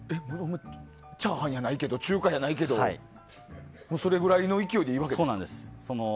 チャーハンやないけど中華やないけどそれぐらいの勢いでいいわけですか？